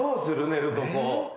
寝るとこ。